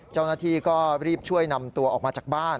เจ้าหน้าที่ก็รีบช่วยนำตัวออกมาจากบ้าน